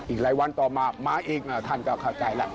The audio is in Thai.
อีกหลายวันต่อมามาเองท่านก็เข้าใจแล้ว